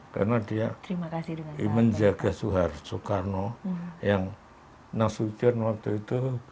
karena dia menjaga soekarno yang nasution waktu itu